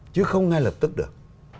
chứ không ngay lập tức được